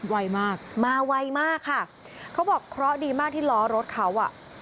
วัยมากมาวัยมากค่ะเขาบอกเพราะดีมากที่ล้อรถเขา